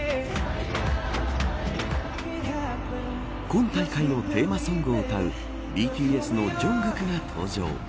今大会のテーマソングを歌うＢＴＳのジョングクが登場。